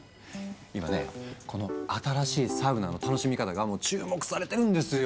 今ねこの新しいサウナの楽しみ方が注目されてるんですよ。